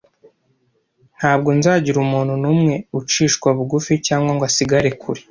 Ntabwo nzagira umuntu numwe ucishwa bugufi cyangwa ngo asigare kure,